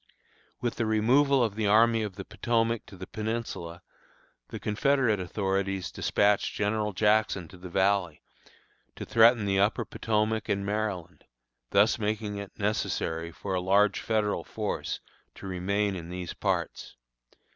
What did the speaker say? With the removal of the Army of the Potomac to the Peninsula the Confederate authorities despatched General Jackson to the Valley, to threaten the upper Potomac and Maryland, thus making it necessary for a large Federal force to remain in these parts.